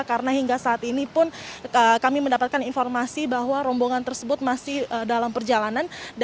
karena hingga saat ini pun kami mendapatkan informasi bahwa rombongan tersebut masih dalam perjalanan